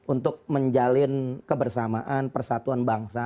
untuk menjalin kebersamaan persatuan bangsa